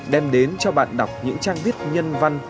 đem đến cho bạn đọc những trang viết nhân văn